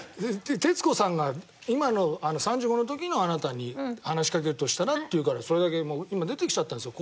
徹子さんが今の３５の時のあなたに話しかけるとしたらっていうからそれだけ今出てきちゃったんですよ。